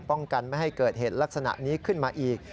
ป้องกันไม่ให้เกิดเหตุลักษณะนี้ขึ้นมาอีก